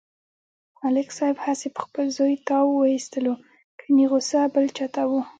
ملک صاحب هسې په خپل زوی تاو و ایستلو کني غوسه بل چاته و.